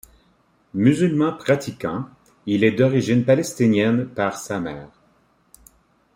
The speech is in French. Musulman pratiquant, il est d'origine palestinienne par sa mère.